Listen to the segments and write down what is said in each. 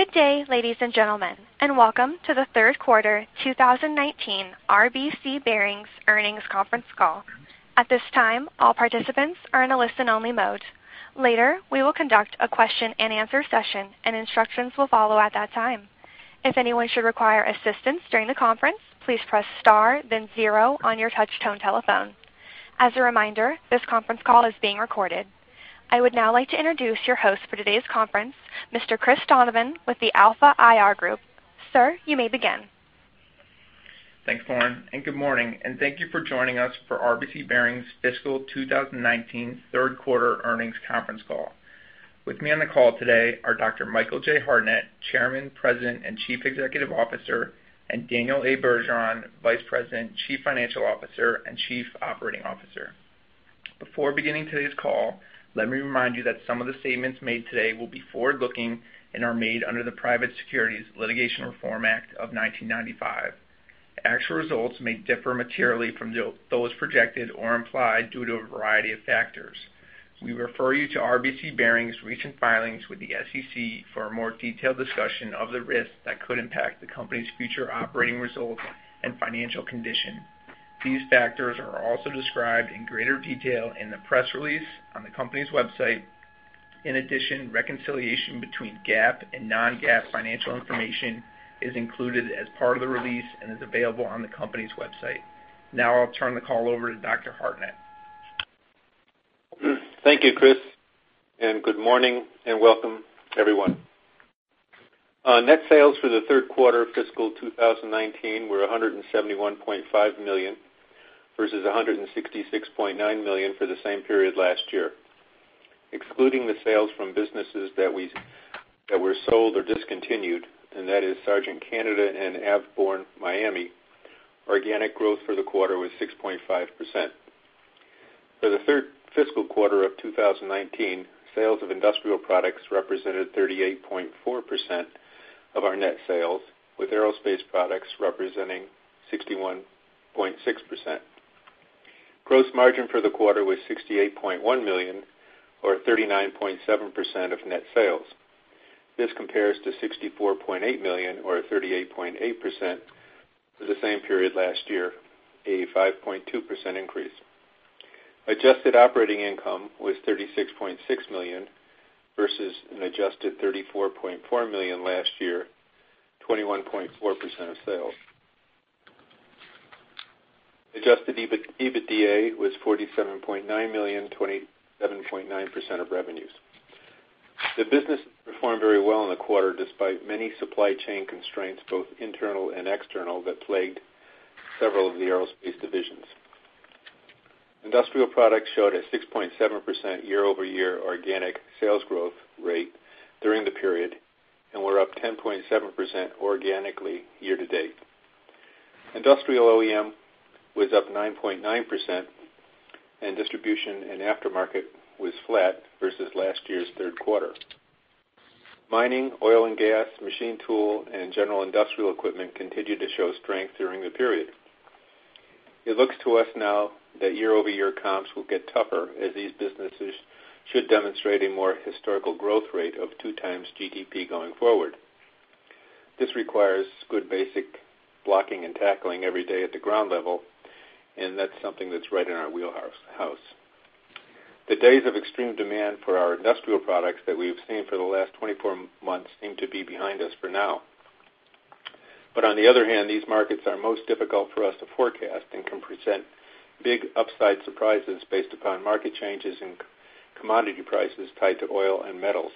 Good day, ladies and gentlemen, and welcome to the third quarter 2019 RBC Bearings earnings conference call. At this time, all participants are in a listen-only mode. Later, we will conduct a question-and-answer session, and instructions will follow at that time. If anyone should require assistance during the conference, please press star, then zero on your touch-tone telephone. As a reminder, this conference call is being recorded. I would now like to introduce your host for today's conference, Mr. Chris Donovan, with the Alpha IR Group. Sir, you may begin. Thanks, Lauren, and good morning. Thank you for joining us for RBC Bearings fiscal 2019 third quarter earnings conference call. With me on the call today are Dr. Michael J. Hartnett, Chairman, President, and Chief Executive Officer, and Daniel A. Bergeron, Vice President, Chief Financial Officer, and Chief Operating Officer. Before beginning today's call, let me remind you that some of the statements made today will be forward-looking and are made under the Private Securities Litigation Reform Act of 1995. Actual results may differ materially from those projected or implied due to a variety of factors. We refer you to RBC Bearings' recent filings with the SEC for a more detailed discussion of the risks that could impact the company's future operating results and financial condition. These factors are also described in greater detail in the press release on the company's website. In addition, reconciliation between GAAP and non-GAAP financial information is included as part of the release and is available on the company's website. Now I'll turn the call over to Dr. Hartnett. Thank you, Chris, and good morning and welcome, everyone. Net sales for the third quarter fiscal 2019 were $171.5 million versus $166.9 million for the same period last year. Excluding the sales from businesses that were sold or discontinued, and that is Sargent Canada and Avborne, Miami, organic growth for the quarter was 6.5%. For the third fiscal quarter of 2019, sales of industrial products represented 38.4% of our net sales, with aerospace products representing 61.6%. Gross margin for the quarter was $68.1 million, or 39.7% of net sales. This compares to $64.8 million, or 38.8%, for the same period last year, a 5.2% increase. Adjusted operating income was $36.6 million versus an adjusted $34.4 million last year, 21.4% of sales. Adjusted EBITDA was $47.9 million, 27.9% of revenues. The business performed very well in the quarter despite many supply chain constraints, both internal and external, that plagued several of the aerospace divisions. Industrial products showed a 6.7% year-over-year organic sales growth rate during the period and were up 10.7% organically year-to-date. Industrial OEM was up 9.9%, and distribution and aftermarket was flat versus last year's third quarter. Mining, oil and gas, machine tool, and general industrial equipment continued to show strength during the period. It looks to us now that year-over-year comps will get tougher as these businesses should demonstrate a more historical growth rate of 2x GDP going forward. This requires good basic blocking and tackling every day at the ground level, and that's something that's right in our wheelhouse. The days of extreme demand for our industrial products that we've seen for the last 24 months seem to be behind us for now. But on the other hand, these markets are most difficult for us to forecast and can present big upside surprises based upon market changes in commodity prices tied to oil and metals,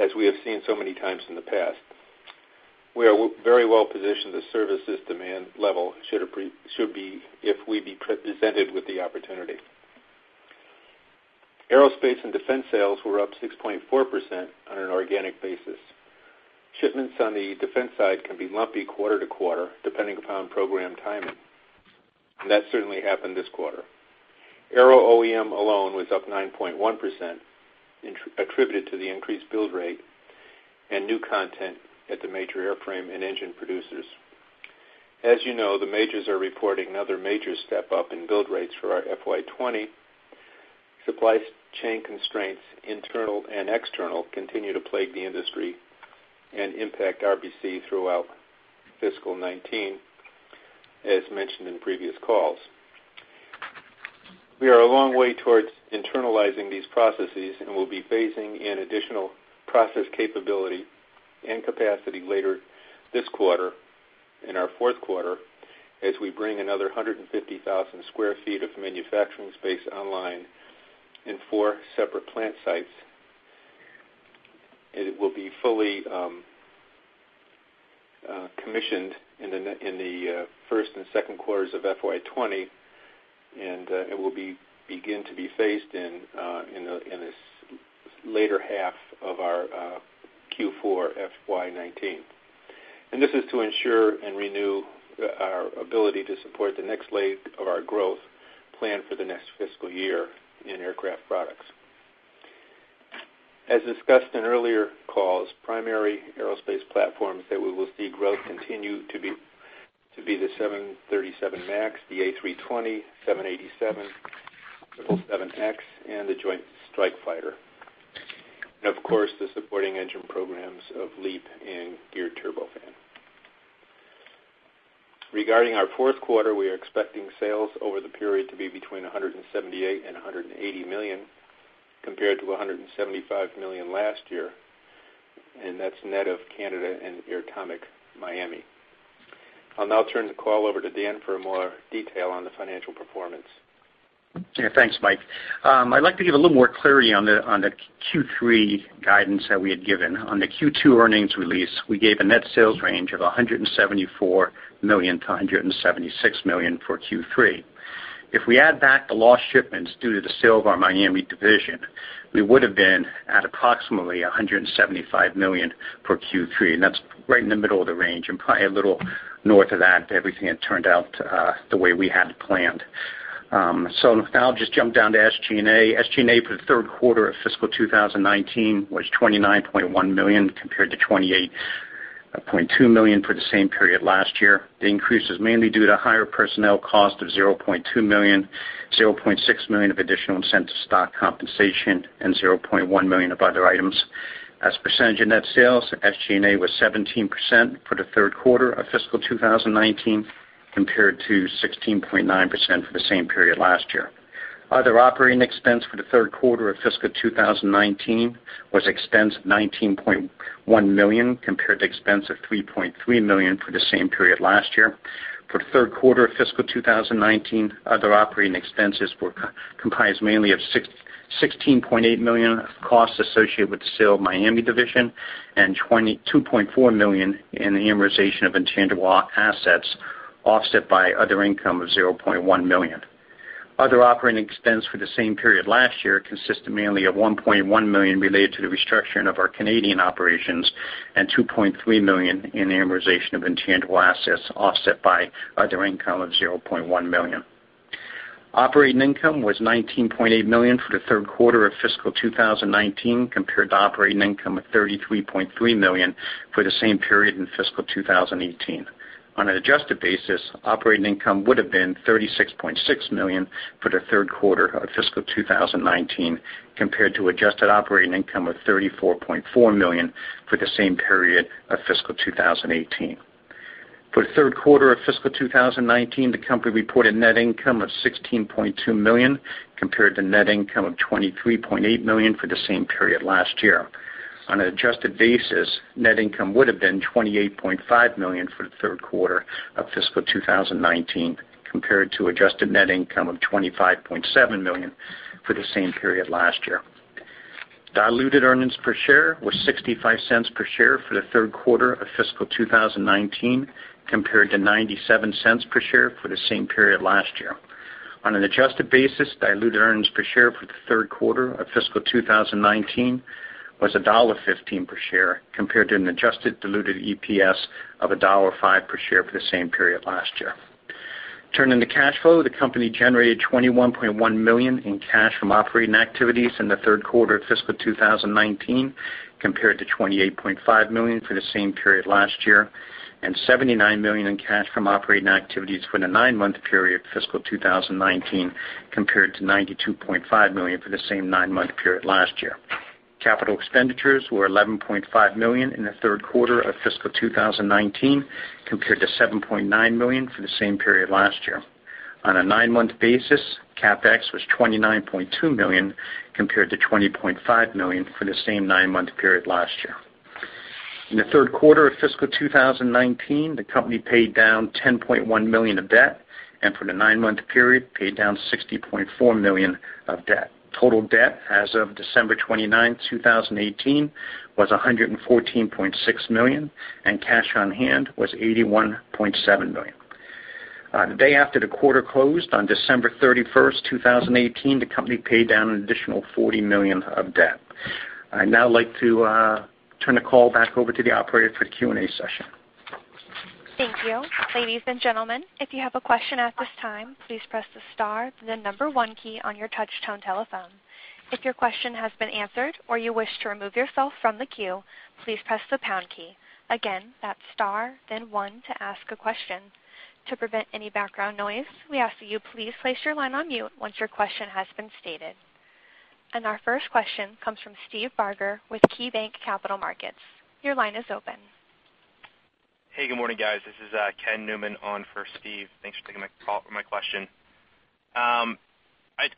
as we have seen so many times in the past. We are very well positioned to service this demand level should we be presented with the opportunity. Aerospace and defense sales were up 6.4% on an organic basis. Shipments on the defense side can be lumpy quarter to quarter depending upon program timing, and that certainly happened this quarter. Aero OEM alone was up 9.1% attributed to the increased build rate and new content at the major airframe and engine producers. As you know, the majors are reporting another major step up in build rates for our FY 2020. Supply chain constraints, internal and external, continue to plague the industry and impact RBC throughout fiscal 2019, as mentioned in previous calls. We are a long way towards internalizing these processes and will be phasing in additional process capability and capacity later this quarter in our fourth quarter as we bring another 150,000 sq ft of manufacturing space online in four separate plant sites. It will be fully commissioned in the first and second quarters of FY 2020, and it will begin to be phased in the later half of our Q4 FY 2019. This is to ensure and renew our ability to support the next leg of our growth plan for the next fiscal year in aircraft products. As discussed in earlier calls, primary aerospace platforms that we will see growth continue to be the 737 MAX, the A320, 787, 777X, and the Joint Strike Fighter. Of course, the supporting engine programs of LEAP and Geared Turbofan. Regarding our fourth quarter, we are expecting sales over the period to be between $178 million-$180 million compared to $175 million last year, and that's net of Canada and Airtomic, Miami. I'll now turn the call over to Dan for more detail on the financial performance. Yeah, thanks, Mike. I'd like to give a little more clarity on the Q3 guidance that we had given. On the Q2 earnings release, we gave a net sales range of $174 million-$176 million for Q3. If we add back the lost shipments due to the sale of our Miami division, we would have been at approximately $175 million for Q3, and that's right in the middle of the range and probably a little north of that if everything had turned out the way we had planned. So now I'll just jump down to SG&A. SG&A for the third quarter of fiscal 2019 was $29.1 million compared to $28.2 million for the same period last year. The increase is mainly due to higher personnel cost of $0.2 million, $0.6 million of additional incentive stock compensation, and $0.1 million of other items. As percentage of net sales, SG&A was 17% for the third quarter of fiscal 2019 compared to 16.9% for the same period last year. Other operating expense for the third quarter of fiscal 2019 was expense of $19.1 million compared to expense of $3.3 million for the same period last year. For the third quarter of fiscal 2019, other operating expenses comprised mainly of $16.8 million of costs associated with the sale of Miami division and $2.4 million in the amortization of intangible assets offset by other income of $0.1 million. Other operating expense for the same period last year consisted mainly of $1.1 million related to the restructuring of our Canadian operations and $2.3 million in the amortization of intangible assets offset by other income of $0.1 million. Operating income was $19.8 million for the third quarter of fiscal 2019 compared to operating income of $33.3 million for the same period in fiscal 2018. On an adjusted basis, operating income would have been $36.6 million for the third quarter of fiscal 2019 compared to adjusted operating income of $34.4 million for the same period of fiscal 2018. For the third quarter of fiscal 2019, the company reported net income of $16.2 million compared to net income of $23.8 million for the same period last year. On an adjusted basis, net income would have been $28.5 million for the third quarter of fiscal 2019 compared to adjusted net income of $25.7 million for the same period last year. Diluted earnings per share was $0.65 per share for the third quarter of fiscal 2019 compared to $0.97 per share for the same period last year. On an adjusted basis, diluted earnings per share for the third quarter of fiscal 2019 was $1.15 per share compared to an adjusted diluted EPS of $1.05 per share for the same period last year. Turning to cash flow, the company generated $21.1 million in cash from operating activities in the third quarter of fiscal 2019 compared to $28.5 million for the same period last year and $79 million in cash from operating activities for the nine-month period fiscal 2019 compared to $92.5 million for the same nine-month period last year. Capital expenditures were $11.5 million in the third quarter of fiscal 2019 compared to $7.9 million for the same period last year. On a nine-month basis, CapEx was $29.2 million compared to $20.5 million for the same nine-month period last year. In the third quarter of fiscal 2019, the company paid down $10.1 million of debt and for the nine-month period paid down $60.4 million of debt. Total debt as of December 29, 2018, was $114.6 million and cash on hand was $81.7 million. The day after the quarter closed, on December 31, 2018, the company paid down an additional $40 million of debt. I now like to turn the call back over to the operator for the Q&A session. Thank you. Ladies and gentlemen, if you have a question at this time, please press the star, then number one key on your touch-tone telephone. If your question has been answered or you wish to remove yourself from the queue, please press the pound key. Again, that's star, then one to ask a question. To prevent any background noise, we ask that you please place your line on mute once your question has been stated. Our first question comes from Steve Barger with KeyBanc Capital Markets. Your line is open. Hey, good morning, guys. This is Ken Newman on for Steve. Thanks for taking my question. I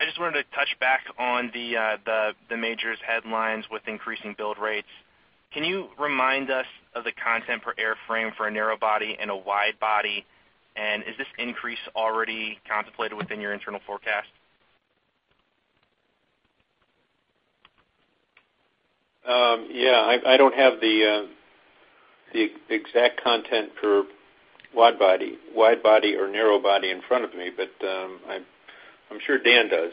just wanted to touch back on the majors' headlines with increasing build rates. Can you remind us of the content per airframe for a narrow body and a wide body, and is this increase already contemplated within your internal forecast? Yeah, I don't have the exact content for wide body or narrow body in front of me, but I'm sure Dan does.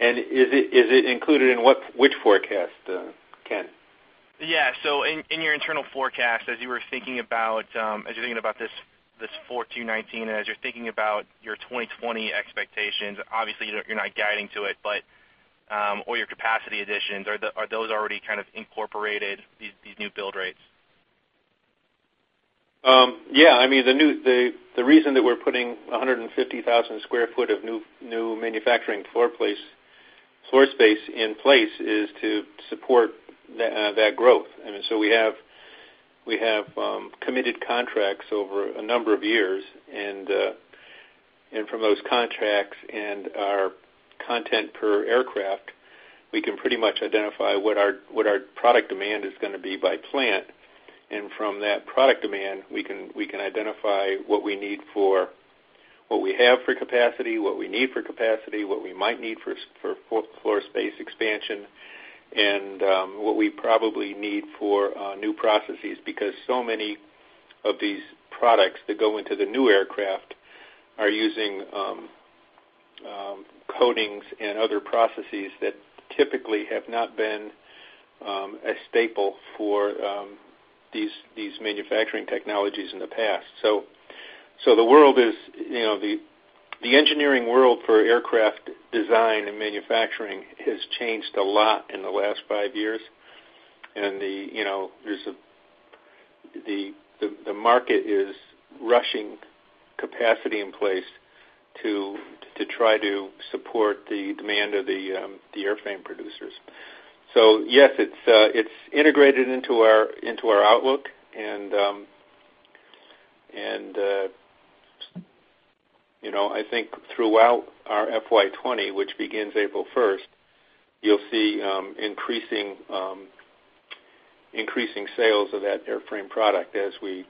Is it included in which forecast, Ken? Yeah, so in your internal forecast, as you were thinking about this 2014-2019 and as you're thinking about your 2020 expectations, obviously you're not guiding to it, but or your capacity additions, are those already kind of incorporated, these new build rates? Yeah, I mean, the reason that we're putting 150,000 sq ft of new manufacturing floor space in place is to support that growth. I mean, so we have committed contracts over a number of years, and from those contracts and our content per aircraft, we can pretty much identify what our product demand is going to be by plant. And from that product demand, we can identify what we need for what we have for capacity, what we need for capacity, what we might need for floor space expansion, and what we probably need for new processes because so many of these products that go into the new aircraft are using coatings and other processes that typically have not been a staple for these manufacturing technologies in the past. So the world, the engineering world for aircraft design and manufacturing, has changed a lot in the last five years, and there's. The market is rushing capacity in place to try to support the demand of the airframe producers. So yes, it's integrated into our outlook, and I think throughout our FY20, which begins April 1st, you'll see increasing sales of that airframe product as we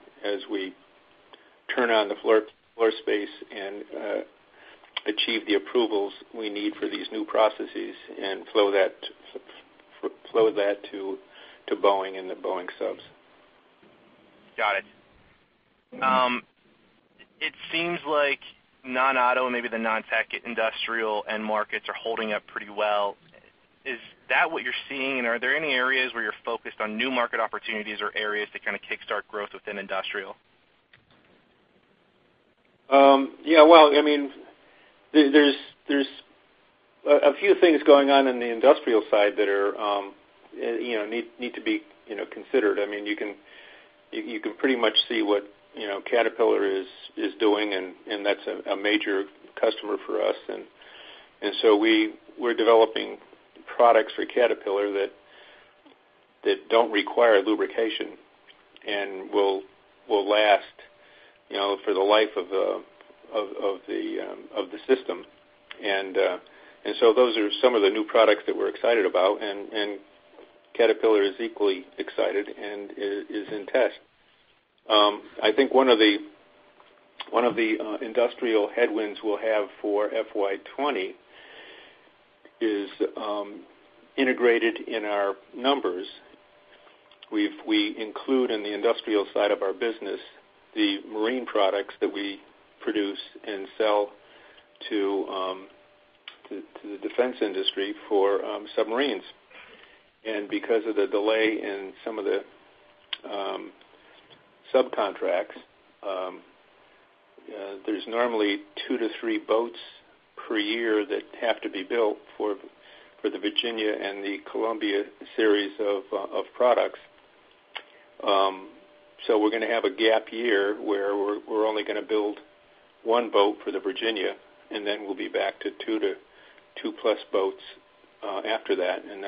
turn on the floor space and achieve the approvals we need for these new processes and flow that to Boeing and the Boeing subs. Got it. It seems like non-auto and maybe the non-tech industrial end markets are holding up pretty well. Is that what you're seeing, and are there any areas where you're focused on new market opportunities or areas to kind of kickstart growth within industrial? Yeah, well, I mean, there's a few things going on in the industrial side that need to be considered. I mean, you can pretty much see what Caterpillar is doing, and that's a major customer for us. And so we're developing products for Caterpillar that don't require lubrication and will last for the life of the system. And so those are some of the new products that we're excited about, and Caterpillar is equally excited and is in test. I think one of the industrial headwinds we'll have for FY20 is integrated in our numbers. We include in the industrial side of our business the marine products that we produce and sell to the defense industry for submarines. And because of the delay in some of the subcontracts, there's normally two to three boats per year that have to be built for the Virginia and the Columbia series of products. So we're going to have a gap year where we're only going to build one boat for the Virginia, and then we'll be back to two-plus boats after that, and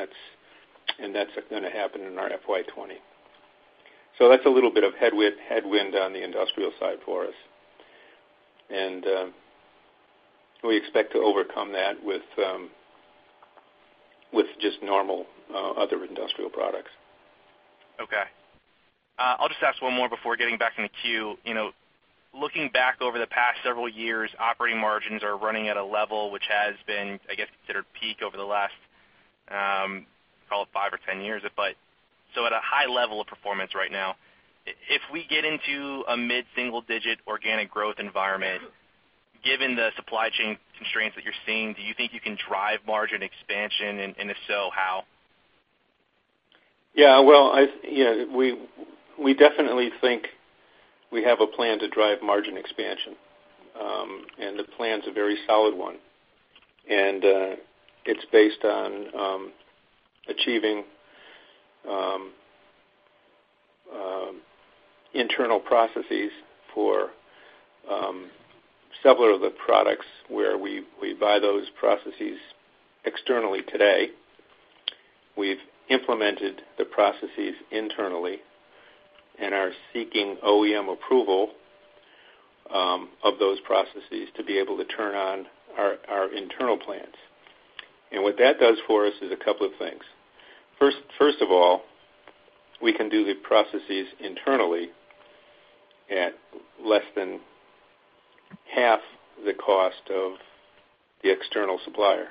that's going to happen in our FY20. So that's a little bit of headwind on the industrial side for us. And we expect to overcome that with just normal other industrial products. Okay. I'll just ask one more before getting back in the queue. Looking back over the past several years, operating margins are running at a level which has been, I guess, considered peak over the last, call it 5 or 10 years, but so at a high level of performance right now. If we get into a mid-single-digit organic growth environment, given the supply chain constraints that you're seeing, do you think you can drive margin expansion, and if so, how? Yeah, well, we definitely think we have a plan to drive margin expansion, and the plan's a very solid one. It's based on achieving internal processes for several of the products where we buy those processes externally today. We've implemented the processes internally and are seeking OEM approval of those processes to be able to turn on our internal plants. What that does for us is a couple of things. First of all, we can do the processes internally at less than half the cost of the external supplier.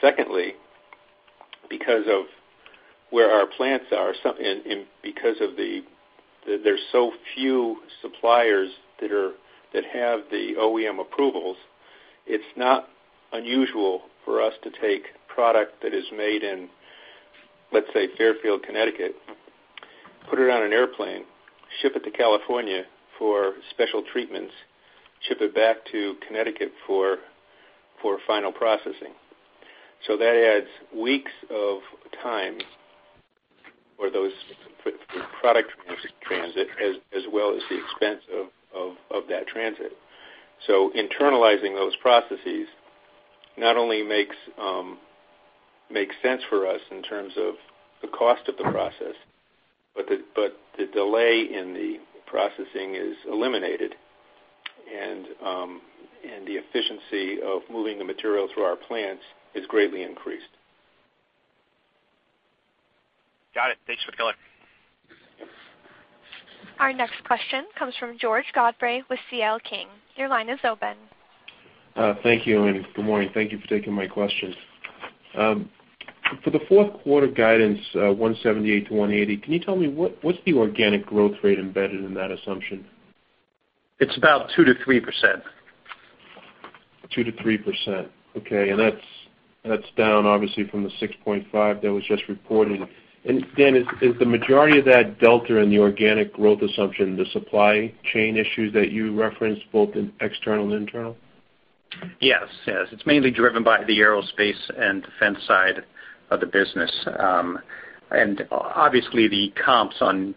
Secondly, because of where our plants are and because there's so few suppliers that have the OEM approvals, it's not unusual for us to take product that is made in, let's say, Fairfield, Connecticut, put it on an airplane, ship it to California for special treatments, ship it back to Connecticut for final processing. So that adds weeks of time for those product transit as well as the expense of that transit. So internalizing those processes not only makes sense for us in terms of the cost of the process, but the delay in the processing is eliminated, and the efficiency of moving the material through our plants is greatly increased. Got it. Thanks for the call. Our next question comes from George Godfrey with CL King. Your line is open. Thank you, and good morning. Thank you for taking my question. For the fourth quarter guidance, 178-180, can you tell me what's the organic growth rate embedded in that assumption? It's about 2%-3%. 2%-3%. Okay, and that's down, obviously, from the 6.5% that was just reported. And Dan, is the majority of that delta in the organic growth assumption, the supply chain issues that you referenced, both in external and internal? Yes, yes. It's mainly driven by the aerospace and defense side of the business. And obviously, the comps on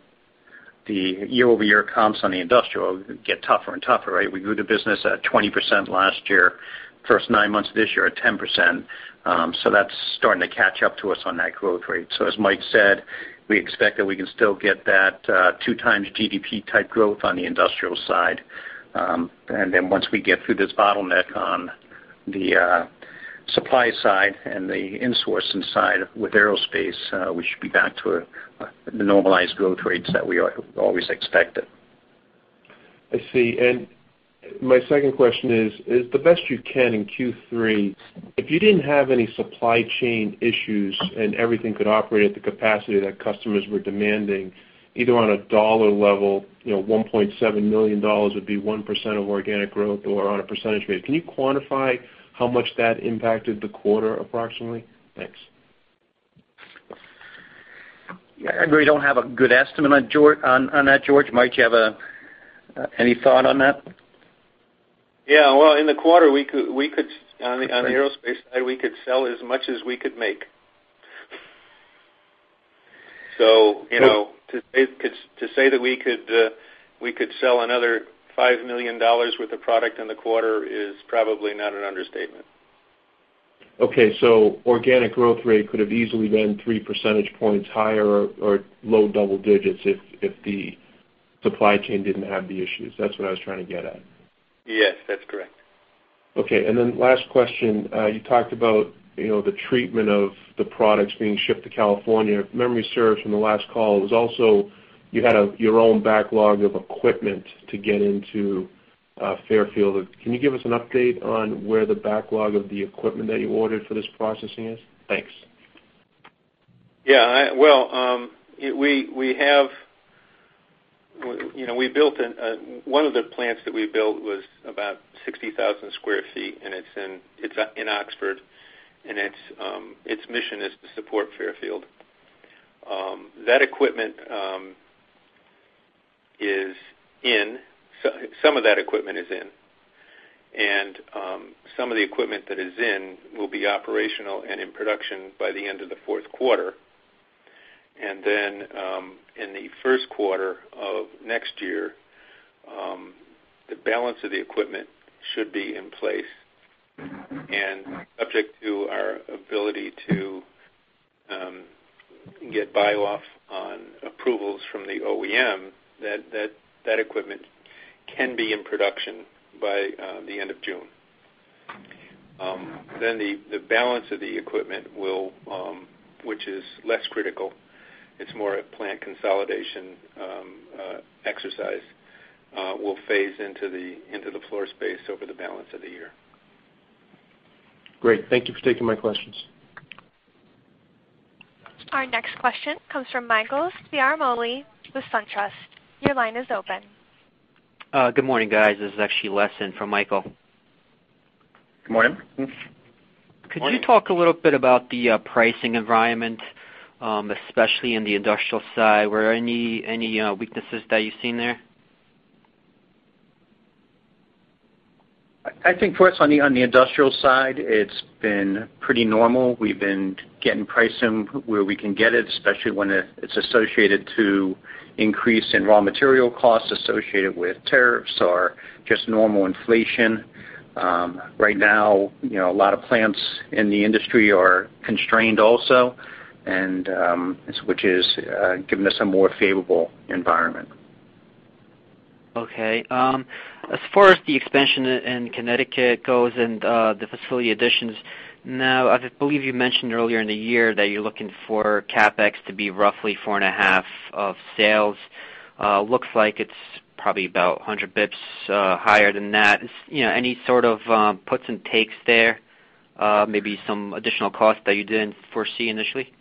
the year-over-year comps on the industrial get tougher and tougher, right? We grew the business at 20% last year, first nine months of this year at 10%. So that's starting to catch up to us on that growth rate. So as Mike said, we expect that we can still get that 2x GDP-type growth on the industrial side. And then once we get through this bottleneck on the supply side and the insourcing side with aerospace, we should be back to the normalized growth rates that we always expected. I see. And my second question is, is the best you can in Q3, if you didn't have any supply chain issues and everything could operate at the capacity that customers were demanding, either on a dollar level, $1.7 million would be 1% of organic growth or on a percentage base? Can you quantify how much that impacted the quarter approximately? Thanks. Yeah, I agree. I don't have a good estimate on that, George. Mike, do you have any thought on that? Yeah, well, in the quarter, we could, on the aerospace side, we could sell as much as we could make. So to say that we could sell another $5 million worth of product in the quarter is probably not an understatement. Okay, so organic growth rate could have easily been three percentage points higher or low double digits if the supply chain didn't have the issues. That's what I was trying to get at. Yes, that's correct. Okay, and then last question. You talked about the treatment of the products being shipped to California. If memory serves from the last call, it was also you had your own backlog of equipment to get into Fairfield. Can you give us an update on where the backlog of the equipment that you ordered for this processing is? Thanks. Yeah, well, we built one of the plants that we built was about 60,000 sq ft, and it's in Oxford, and its mission is to support Fairfield. That equipment is in, some of that equipment is in, and some of the equipment that is in will be operational and in production by the end of the fourth quarter. And then in the first quarter of next year, the balance of the equipment should be in place. And subject to our ability to get buy-off on approvals from the OEM, that equipment can be in production by the end of June. Then the balance of the equipment, which is less critical, it's more a plant consolidation exercise, will phase into the floor space over the balance of the year. Great. Thank you for taking my questions. Our next question comes from Michael Ciarmoli with SunTrust. Your line is open. Good morning, guys. This is actually Les for Michael. Good morning. Could you talk a little bit about the pricing environment, especially in the industrial side? Were there any weaknesses that you've seen there? I think, first, on the industrial side, it's been pretty normal. We've been getting pricing where we can get it, especially when it's associated to increase in raw material costs associated with tariffs or just normal inflation. Right now, a lot of plants in the industry are constrained also, which is giving us a more favorable environment. Okay. As far as the expansion in Connecticut goes and the facility additions, now, I believe you mentioned earlier in the year that you're looking for CapEx to be roughly 4.5% of sales. Looks like it's probably about 100 basis points higher than that. Any sort of puts and takes there, maybe some additional costs that you didn't foresee initially?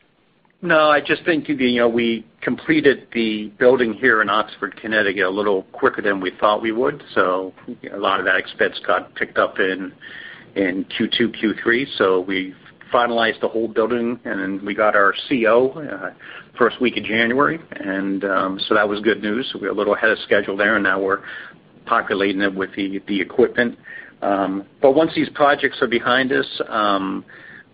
No, I just think we completed the building here in Oxford, Connecticut a little quicker than we thought we would. So a lot of that expense got picked up in Q2, Q3. So we finalized the whole building, and then we got our CO first week of January, and so that was good news. So we were a little ahead of schedule there, and now we're populating it with the equipment. But once these projects are behind us,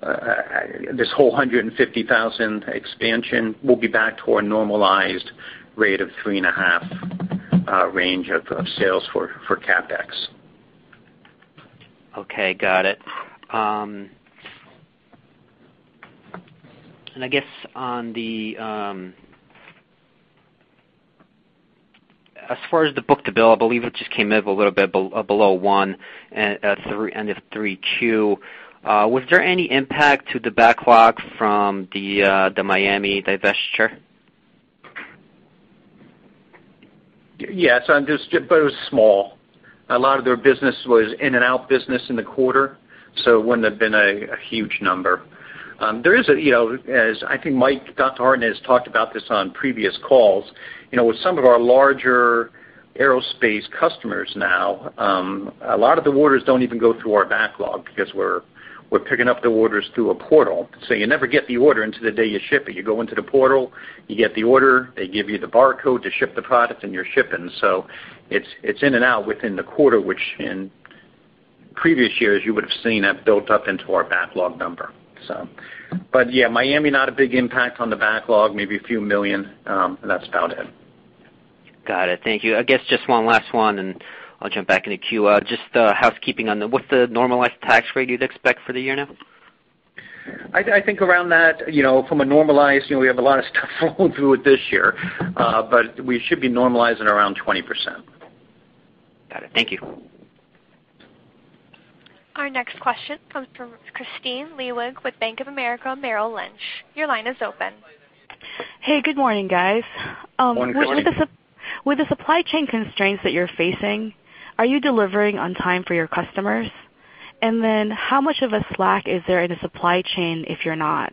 this whole 150,000 expansion will be back to our normalized rate of 3.5 range of sales for CapEx. Okay, got it. And I guess as far as the book-to-bill, I believe it just came up a little bit below 1 at the end of 3Q. Was there any impact to the backlog from the Miami divestiture? Yes, but it was small. A lot of their business was in-and-out business in the quarter, so it wouldn't have been a huge number. There is, as I think Mike Hartnett has talked about this on previous calls, with some of our larger aerospace customers now, a lot of the orders don't even go through our backlog because we're picking up the orders through a portal. So you never get the order until the day you ship it. You go into the portal, you get the order, they give you the barcode to ship the product, and you're shipping. So it's in-and-out within the quarter, which in previous years, you would have seen that built up into our backlog number, so. But yeah, Miami, not a big impact on the backlog, maybe $a few million, and that's about it. Got it. Thank you. I guess just one last one, and I'll jump back into queue. Just housekeeping on the, what's the normalized tax rate you'd expect for the year now? I think around that, from a normalized we have a lot of stuff flowing through it this year, but we should be normalizing around 20%. Got it. Thank you. Our next question comes from Kristine Liwag with Bank of America Merrill Lynch. Your line is open. Hey, good morning, guys. With the supply chain constraints that you're facing, are you delivering on time for your customers? And then how much of a slack is there in the supply chain if you're not?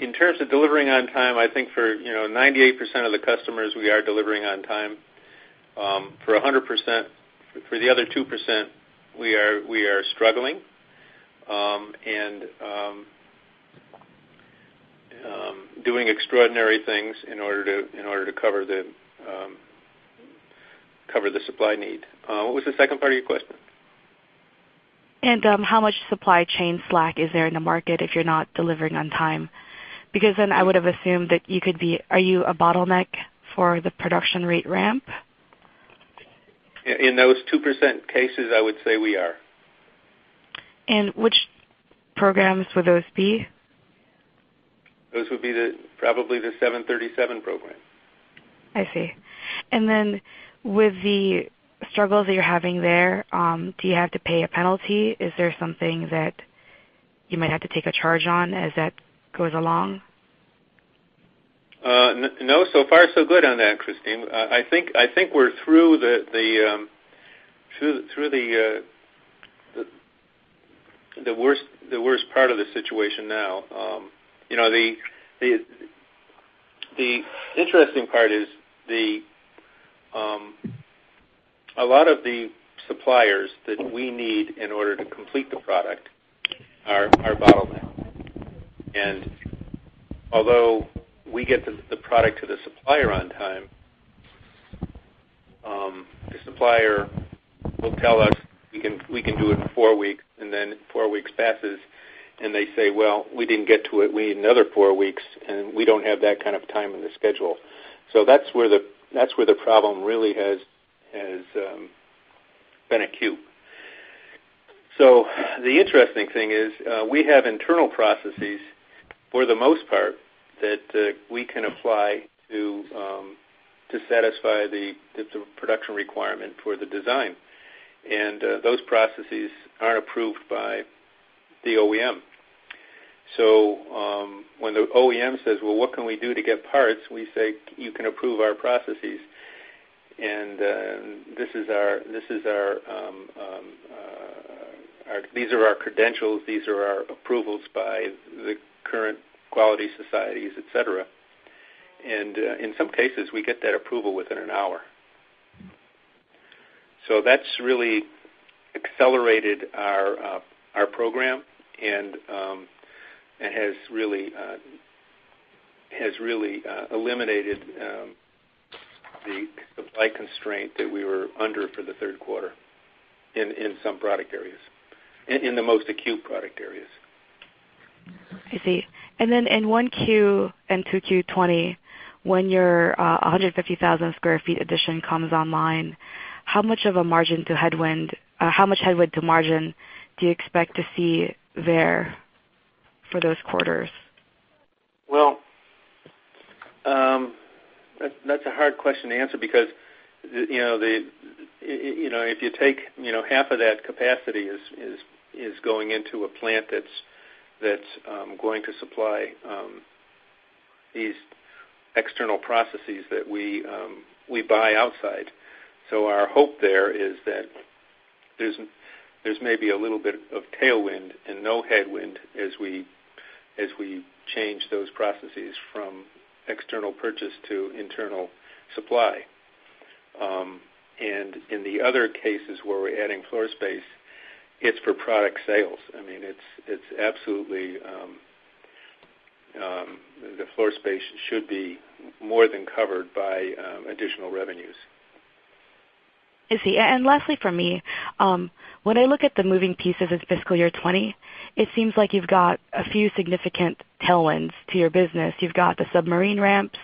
In terms of delivering on time, I think for 98% of the customers, we are delivering on time. For 100%, for the other 2%, we are struggling and doing extraordinary things in order to cover the supply need. What was the second part of your question? How much supply chain slack is there in the market if you're not delivering on time? Because then I would have assumed that you could be. Are you a bottleneck for the production rate ramp? In those 2% cases, I would say we are. Which programs would those be? Those would be probably the 737 program. I see. With the struggles that you're having there, do you have to pay a penalty? Is there something that you might have to take a charge on as that goes along? No, so far so good on that, Kristine. I think we're through the worst part of the situation now. The interesting part is a lot of the suppliers that we need in order to complete the product are bottlenecked. Although we get the product to the supplier on time, the supplier will tell us, "We can do it in four weeks," and then four weeks passes, and they say, "Well, we didn't get to it. We need another four weeks, and we don't have that kind of time in the schedule." So that's where the problem really has been acute. So the interesting thing is we have internal processes, for the most part, that we can apply to satisfy the production requirement for the design. Those processes aren't approved by the OEM. So when the OEM says, "Well, what can we do to get parts?" we say, "You can approve our processes. And these are our credentials. These are our approvals by the current quality societies, etc." And in some cases, we get that approval within an hour. So that's really accelerated our program and has really eliminated the supply constraint that we were under for the third quarter in some product areas, in the most acute product areas. I see. And then in 1Q and 2Q 2020, when your 150,000 sq ft addition comes online, how much of a margin to headwind how much headwind to margin do you expect to see there for those quarters? Well, that's a hard question to answer because if you take half of that capacity, it's going into a plant that's going to supply these external processes that we buy outside. So our hope there is that there's maybe a little bit of tailwind and no headwind as we change those processes from external purchase to internal supply. And in the other cases where we're adding floor space, it's for product sales. I mean, it's absolutely the floor space should be more than covered by additional revenues. I see. And lastly from me, when I look at the moving pieces of fiscal year 2020, it seems like you've got a few significant tailwinds to your business. You've got the submarine ramps.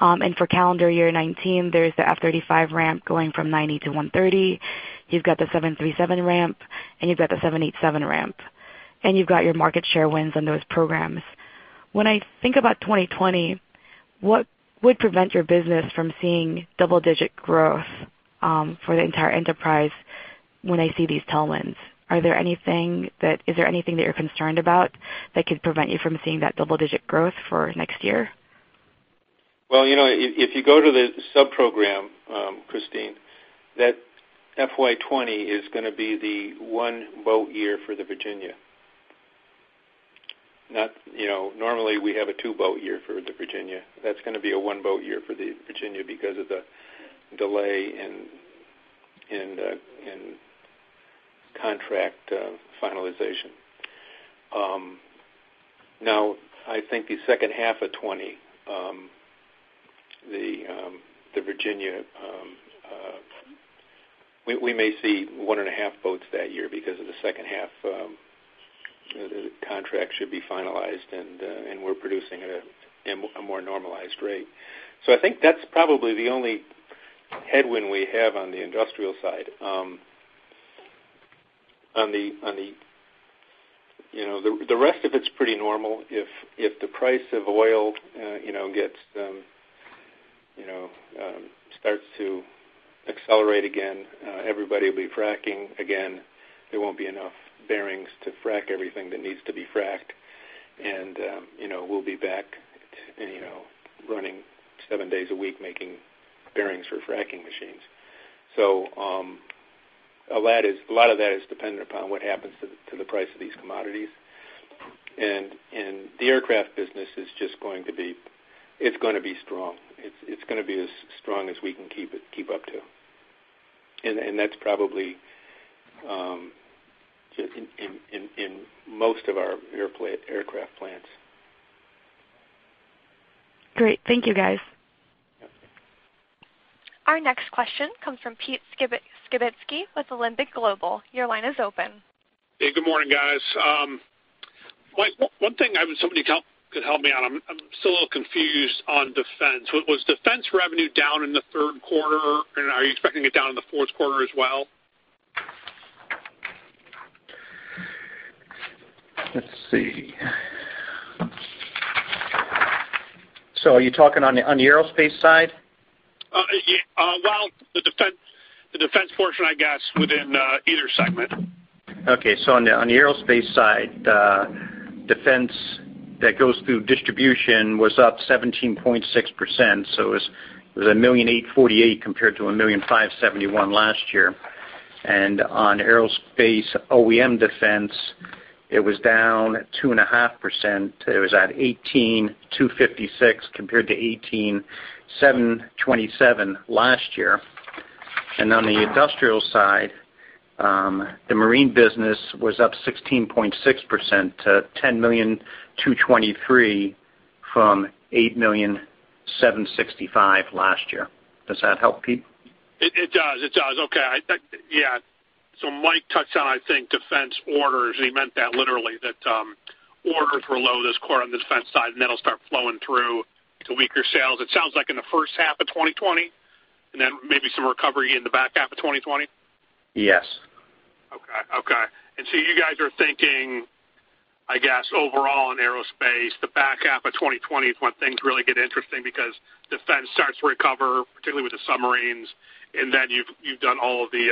And for calendar year 2019, there's the F-35 ramp going from 90 to 130. You've got the 737 ramp, and you've got the 787 ramp. And you've got your market share wins on those programs. When I think about 2020, what would prevent your business from seeing double-digit growth for the entire enterprise when I see these tailwinds? Is there anything that you're concerned about that could prevent you from seeing that double-digit growth for next year? Well, if you go to the subprogram, Kristine, that FY20 is going to be the one-boat year for the Virginia. Normally, we have a two-boat year for the Virginia. That's going to be a one-boat year for the Virginia because of the delay in contract finalization. Now, I think the second half of 2020, the Virginia we may see 1 and a half boats that year because of the second half. The contract should be finalized, and we're producing at a more normalized rate. So I think that's probably the only headwind we have on the industrial side. The rest of it's pretty normal. If the price of oil starts to accelerate again, everybody will be fracking again. There won't be enough bearings to frack everything that needs to be fracked, and we'll be back running seven days a week making bearings for fracking machines. So a lot of that is dependent upon what happens to the price of these commodities. And the aircraft business is just going to be strong. It's going to be as strong as we can keep up to. And that's probably in most of our aircraft plants. Great. Thank you, guys. Our next question comes from Peter Skibitski with Alembic Global. Your line is open. Hey, good morning, guys. Mike, one thing I wish somebody could help me on. I'm still a little confused on defense. Was defense revenue down in the third quarter, and are you expecting it down in the fourth quarter as well? Let's see. So are you talking on the aerospace side? Well, the defense portion, I guess, within either segment. Okay. So on the aerospace side, defense that goes through distribution was up 17.6%. So it was $1,848 compared to $1,571 last year. And on aerospace OEM defense, it was down 2.5%. It was at $18,256 compared to $18,727 last year. And on the industrial side, the marine business was up 16.6% to $10,223 from $8,765 last year. Does that help, Pete? It does. It does. Okay. Yeah. So Mike touched on, I think, defense orders. He meant that literally, that orders were low this quarter on the defense side, and then it'll start flowing through to weaker sales. It sounds like in the first half of 2020 and then maybe some recovery in the back half of 2020? Yes. Okay. Okay. And so you guys are thinking, I guess, overall in aerospace, the back half of 2020 is when things really get interesting because defense starts to recover, particularly with the submarines, and then you've done all of the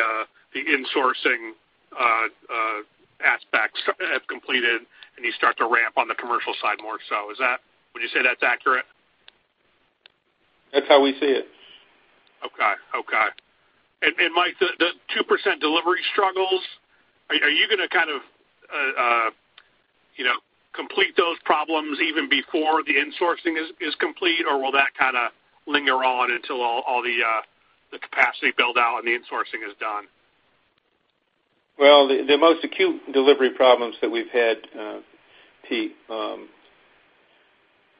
insourcing aspects have completed, and you start to ramp on the commercial side more so. Would you say that's accurate? That's how we see it. Okay. Okay. And Mike, the 2% delivery struggles, are you going to kind of complete those problems even before the insourcing is complete, or will that kind of linger on until all the capacity builds out and the insourcing is done? Well, the most acute delivery problems that we've had, Pete,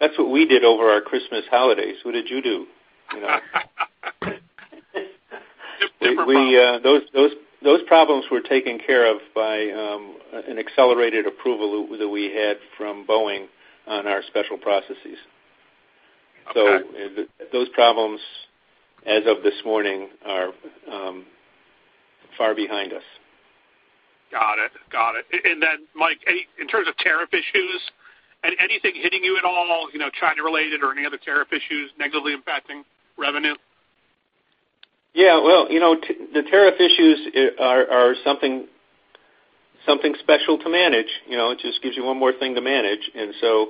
that's what we did over our Christmas holidays. What did you do? Different problem. Those problems were taken care of by an accelerated approval that we had from Boeing on our special processes. So those problems, as of this morning, are far behind us. Got it. Got it. And then, Mike, in terms of tariff issues, anything hitting you at all, China-related or any other tariff issues negatively impacting revenue? Yeah. Well, the tariff issues are something special to manage. It just gives you one more thing to manage. And so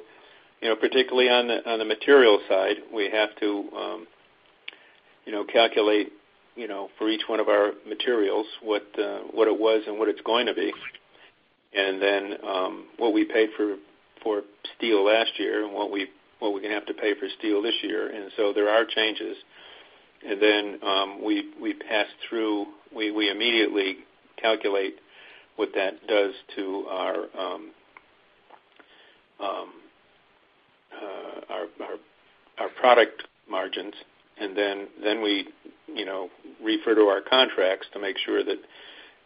particularly on the material side, we have to calculate for each one of our materials what it was and what it's going to be, and then what we paid for steel last year and what we're going to have to pay for steel this year. And so there are changes. And then we pass through we immediately calculate what that does to our product margins, and then we refer to our contracts to make sure that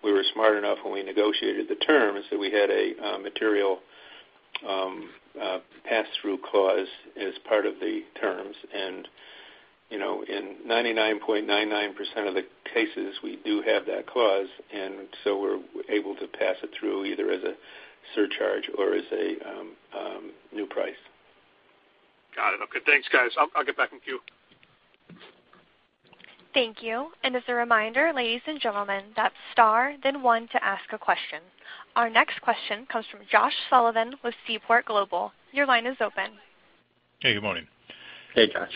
we were smart enough when we negotiated the terms that we had a material pass-through clause as part of the terms. And in 99.99% of the cases, we do have that clause, and so we're able to pass it through either as a surcharge or as a new price. Got it. Okay. Thanks, guys. I'll get back in queue. Thank you. As a reminder, ladies and gentlemen, that's star, then one to ask a question. Our next question comes from Josh Sullivan with Seaport Global. Your line is open. Hey, good morning. Hey, Josh.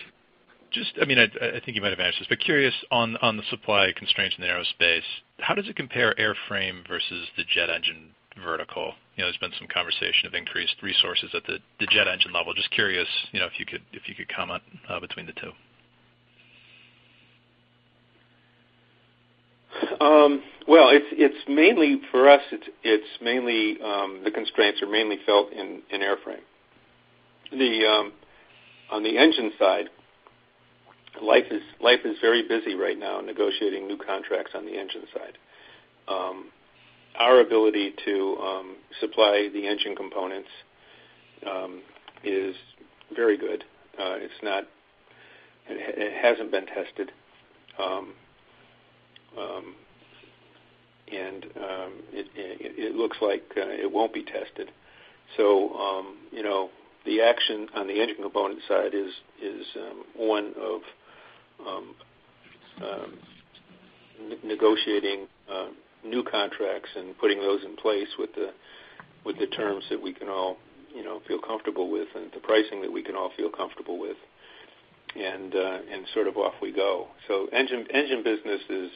Just, I mean, I think you might have answered this, but curious on the supply constraints in the aerospace. How does it compare, airframe versus the jet engine vertical? There's been some conversation of increased resources at the jet engine level. Just curious if you could comment between the two. Well, for us, the constraints are mainly felt in airframe. On the engine side, life is very busy right now negotiating new contracts on the engine side. Our ability to supply the engine components is very good. It hasn't been tested, and it looks like it won't be tested. So the action on the engine component side is one of negotiating new contracts and putting those in place with the terms that we can all feel comfortable with and the pricing that we can all feel comfortable with, and sort of off we go. So engine business is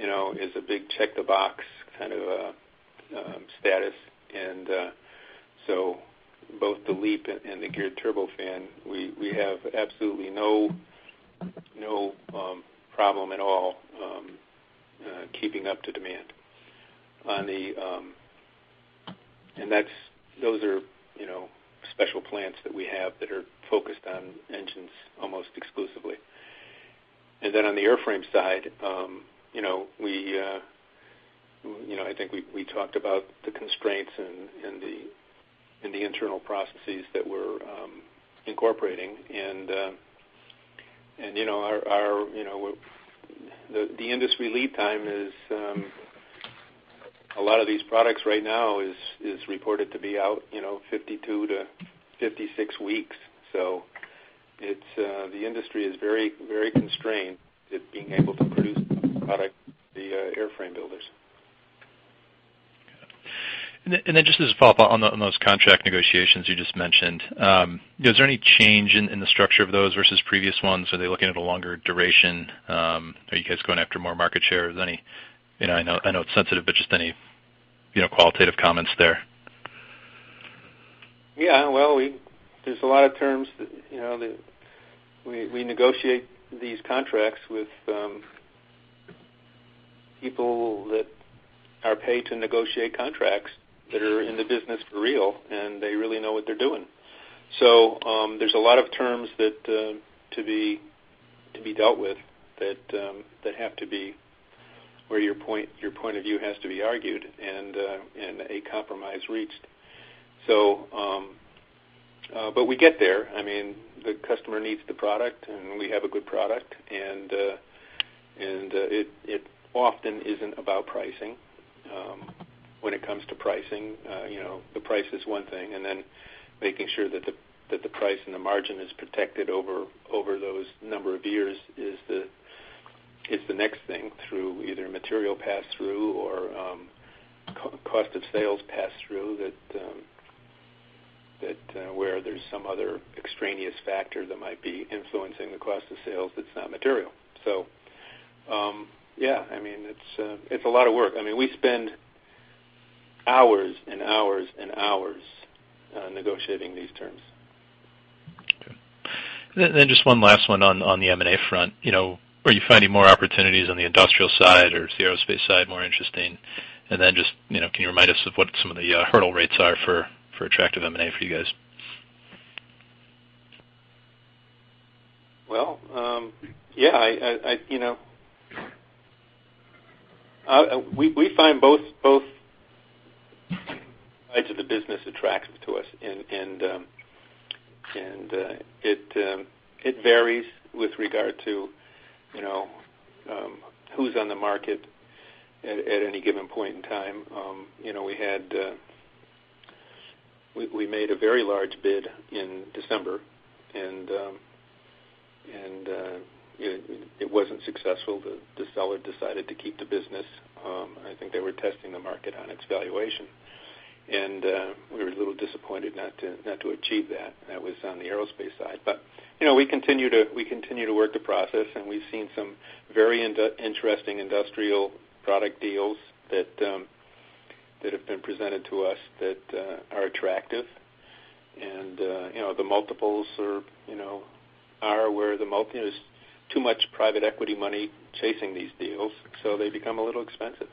a big check-the-box kind of status. And so both the LEAP and the Geared Turbofan, we have absolutely no problem at all keeping up to demand. And those are special plants that we have that are focused on engines almost exclusively. And then on the airframe side, I think we talked about the constraints and the internal processes that we're incorporating. And the industry lead time is a lot of these products right now is reported to be out 52-56 weeks. So the industry is very, very constrained at being able to produce the airframe builders. Okay. Just as a follow-up on those contract negotiations you just mentioned, is there any change in the structure of those versus previous ones? Are they looking at a longer duration? Are you guys going after more market share? I know it's sensitive, but just any qualitative comments there? Yeah. Well, there's a lot of terms that we negotiate these contracts with people that are paid to negotiate contracts that are in the business for real, and they really know what they're doing. So there's a lot of terms to be dealt with that have to be where your point of view has to be argued and a compromise reached. But we get there. I mean, the customer needs the product, and we have a good product. And it often isn't about pricing. When it comes to pricing, the price is one thing. And then making sure that the price and the margin is protected over those number of years is the next thing through either material pass-through or cost of sales pass-through where there's some other extraneous factor that might be influencing the cost of sales that's not material. So yeah, I mean, it's a lot of work. I mean, we spend hours and hours and hours negotiating these terms. Okay. And then just one last one on the M&A front. Are you finding more opportunities on the industrial side or the aerospace side more interesting? And then just can you remind us of what some of the hurdle rates are for attractive M&A for you guys? Well, yeah. We find both sides of the business attractive to us, and it varies with regard to who's on the market at any given point in time. We made a very large bid in December, and it wasn't successful. The seller decided to keep the business. I think they were testing the market on its valuation, and we were a little disappointed not to achieve that. That was on the aerospace side. But we continue to work the process, and we've seen some very interesting industrial product deals that have been presented to us that are attractive. And the multiples are where there's too much private equity money chasing these deals, so they become a little expensive.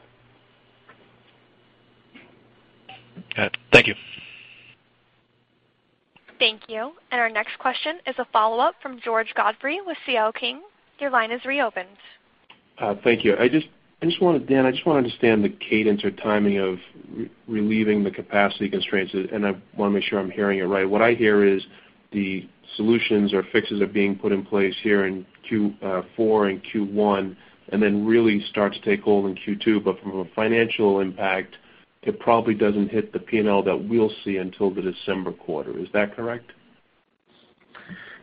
Got it. Thank you. Thank you. And our next question is a follow-up from George Godfrey with CL King. Your line is reopened. Thank you. Dan, I just want to understand the cadence or timing of relieving the capacity constraints, and I want to make sure I'm hearing it right. What I hear is the solutions or fixes are being put in place here in Q4 and Q1 and then really start to take hold in Q2, but from a financial impact, it probably doesn't hit the P&L that we'll see until the December quarter. Is that correct?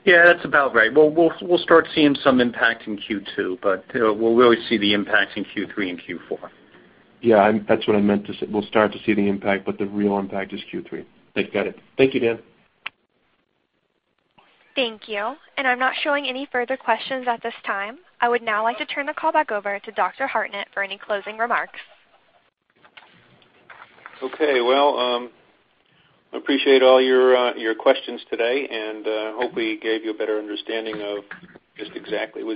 Yeah, that's about right. We'll start seeing some impact in Q2, but we'll really see the impact in Q3 and Q4. Yeah, that's what I meant to say. We'll start to see the impact, but the real impact is Q3. Okay. Got it. Thank you, Dan. Thank you. I'm not showing any further questions at this time. I would now like to turn the call back over to Dr. Hartnett for any closing remarks. Okay. Well, I appreciate all your questions today, and I hope we gave you a better understanding of just exactly it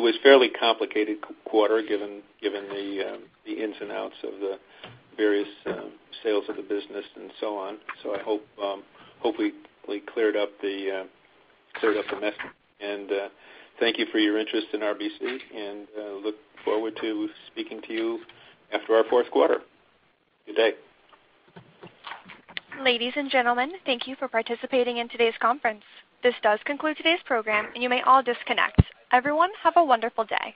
was a fairly complicated quarter given the ins and outs of the various sales of the business and so on. So I hope we cleared up the message. Thank you for your interest in RBC, and look forward to speaking to you after our fourth quarter. Good day. Ladies and gentlemen, thank you for participating in today's conference. This does conclude today's program, and you may all disconnect. Everyone, have a wonderful day.